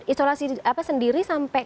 isolasi apa sendiri sampai